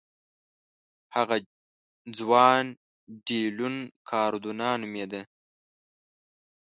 هغه جوان ډي لیون کاردونا نومېده.